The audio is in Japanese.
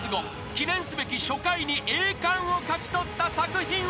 ［記念すべき初回に栄冠を勝ち取った作品は］